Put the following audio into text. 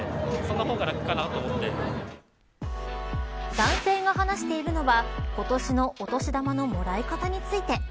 男性が話しているのは今年のお年玉のもらい方について。